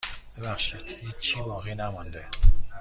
ببخشید هیچی باقی نمانده.